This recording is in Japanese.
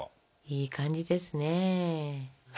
いい感じですね。